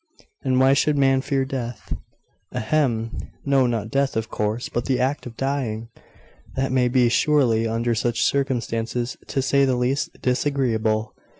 'And why should man fear death?' 'Ahem! No, not death, of course; but the act of dying. That may be, surely, under such circumstances, to say the least, disagreeable.